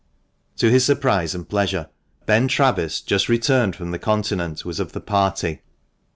To his surprise and pleasure, Ben Travis, just returned from the Continent, was of the party.